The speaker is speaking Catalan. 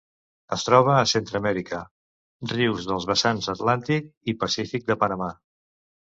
Es troba a Centreamèrica: rius dels vessants atlàntic i pacífic de Panamà.